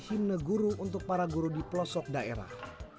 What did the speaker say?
himne guru untuk para guru di pelosok daerah